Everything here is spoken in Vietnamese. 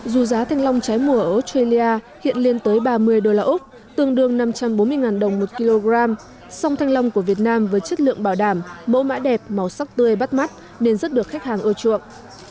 dù giá thanh long trái mùa ở australia hiện lên tới ba mươi đô la úc tương đương năm trăm bốn mươi đồng một kg song thanh long của việt nam với chất lượng bảo đảm mẫu mã đẹp màu sắc tươi bắt mắt nên rất được khách hàng ưa chuộng